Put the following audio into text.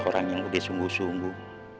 orang yang udah sungguh sungguh